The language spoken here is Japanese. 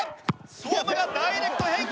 相馬がダイレクト返球。